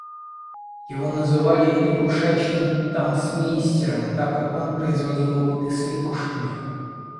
Его называли лягушачьим танцмейстером, так как он производил опыты с лягушками.